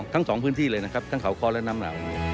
ทั้งสองพื้นที่เลยนะครับทั้งเขาคอและน้ำหนาว